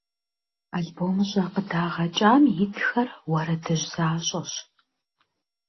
Албомыщӏэ къыдэдгъэкӏам итхэр уэрэдыжь защӏэщ.